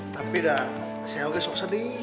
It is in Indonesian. tapi dah saya juga sok sedih